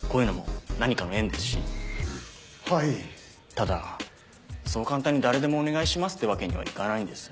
ただそう簡単に誰でもお願いしますってわけにはいかないんです。